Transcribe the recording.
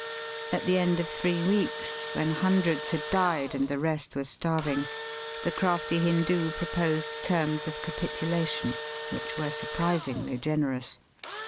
At the end of three weeks, when hundreds had died and the rest were starving, the crafty Hindoo proposed terms of capitu lation which were surprisingly generous.